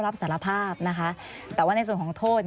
รับสารภาพนะคะแต่ว่าในส่วนของโทษ